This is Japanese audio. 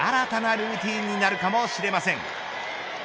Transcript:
今後新たなルーティンになるかもしれません。